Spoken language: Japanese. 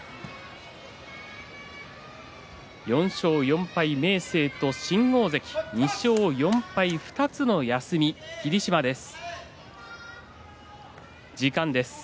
４勝４敗明生と新大関２勝４敗２つの休み霧島です。